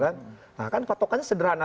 nah kan patokannya sederhana